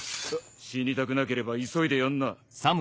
死にたくなければ急いでやんな。